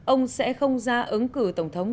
ông sẽ không ra ứng cử tổng thống